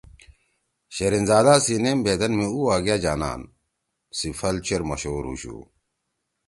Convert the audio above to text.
شرین زادا سی “نیم بھیدین مھی اُو وا گأ جانان“ سی پھل چیر مشہور ہُوشُو۔